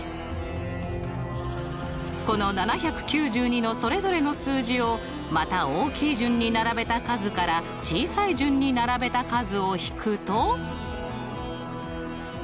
この７９２のそれぞれの数字をまた大きい順に並べた数から小さい順に並べた数を引くと。